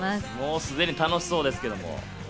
すでに楽しそうですけれども。